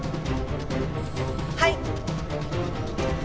はい！